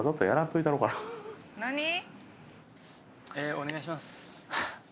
お願いします。